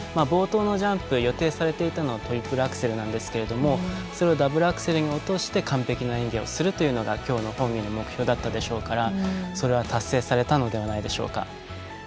冒頭のジャンプ予定されていたのはトリプルアクセルでしたがそれをダブルアクセルに落として完璧な演技をするというのが今日の本人の目標だったでしょうからそれは達成されたのではないでしょうか。